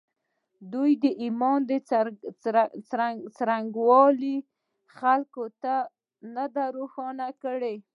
دوی د ایمان څرنګوالی خلکو ته نه دی روښانه کړی